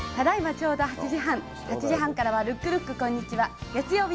ちょうど８時半、８時半からはルックルックこんにちは。